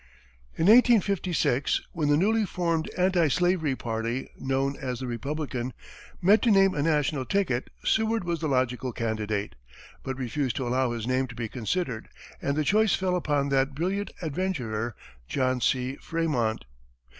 In 1856, when the newly formed anti slavery party, known as the Republican, met to name a national ticket, Seward was the logical candidate, but refused to allow his name to be considered, and the choice fell upon that brilliant adventurer, John C. Frémont.